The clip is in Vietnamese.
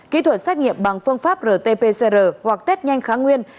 kỹ thuật xét nghiệm bằng phương pháp rt pcr hoặc test nhanh kháng nguyên